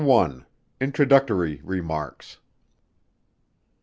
INTRODUCTORY REMARKS.